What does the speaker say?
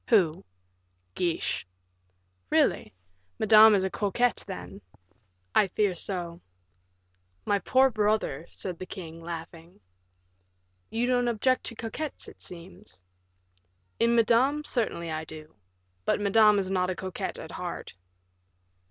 "Who?" "Guiche." "Really? Madame is a coquette, then?" "I fear so." "My poor brother," said the king, laughing. "You don't object to coquettes, it seems?" "In Madame, certainly I do; but Madame is not a coquette at heart."